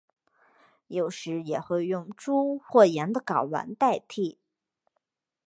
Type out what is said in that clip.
有时也会用猪或羊的睾丸代替。